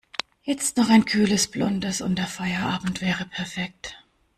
Jetzt noch ein kühles Blondes und der Feierabend wäre perfekt.